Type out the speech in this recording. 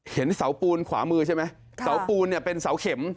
เห็นเสาปูนขวามือใช่ไหมเสาปูนเนี่ยเป็นเสาเข็ม